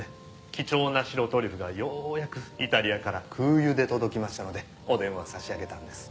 貴重な白トリュフがようやくイタリアから空輸で届きましたのでお電話差し上げたんです。